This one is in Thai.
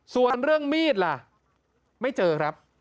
ส่วนเรื่องมีดล่ะไม่เจอครับ